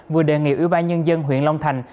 vừa đề nghị ủy ban nhân dân huyện long thành